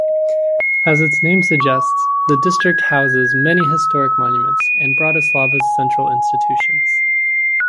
As its name suggests, the district houses many historic monuments and Bratislava's central institutions.